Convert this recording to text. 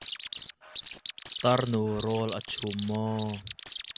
Tarnu rawl a chum maw?